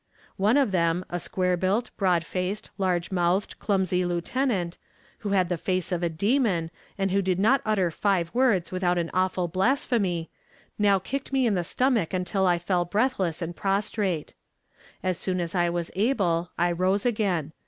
One of them, a square built, broad faced, large mouthed, clumsy lieutenant, who had the face of a demon, and who did not utter five words without an awful blasphemy, now kicked me in the stomach until I fell breathless and prostrate. As soon as I was able, I rose again.